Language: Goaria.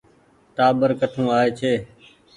ٽآٻر ڪٺون آئي ڇي۔